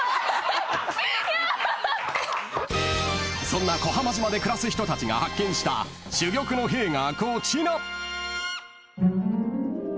［そんな小浜島で暮らす人たちが発見した珠玉のへぇーがこちら］